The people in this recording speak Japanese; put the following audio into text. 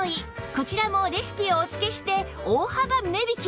こちらもレシピをお付けして大幅値引き！